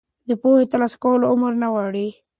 د پوهې ترلاسه کول عمر نه غواړي.